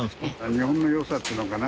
日本の良さっていうのかな。